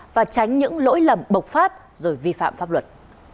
và tránh những lỗi lầm bộc phát rồi vi phạm pháp luật